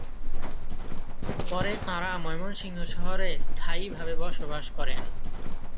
পরে তাঁরা ময়মনসিংহ শহরে স্থায়িভাবে বসবাস করেন।